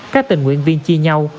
các tình nguyện viên chia nhau